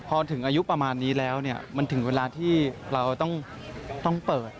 พอถึงอายุประมาณนี้แล้วมันถึงเวลาที่เราต้องเปิด